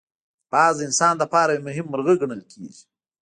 باز د انسان لپاره یو مهم مرغه ګڼل کېږي